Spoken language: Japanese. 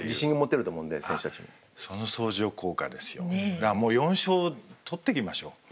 だからもう４勝取ってきましょう。